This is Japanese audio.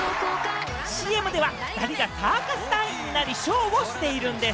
ＣＭでは２人がサーカス団員になり、ショーをしているんです。